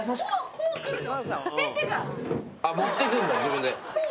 こう来るの。